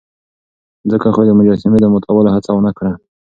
ځکه خو يې د مجسمې د ماتولو هڅه ونه کړه.